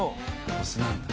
お酢なんだ。